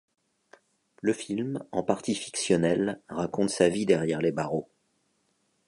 Le film, en partie fictionnel, raconte sa vie derrière les barreaux.